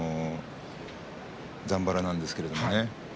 ざんばらなんですけれどね。